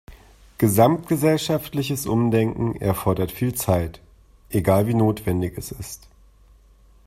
Gesamtgesellschaftliches Umdenken erfordert viel Zeit, egal wie notwendig es ist.